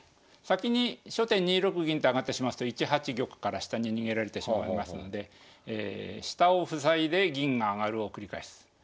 先に初手２六銀と上がってしまいますと１八玉から下に逃げられてしまいますんで下を塞いで銀が上がるを繰り返す。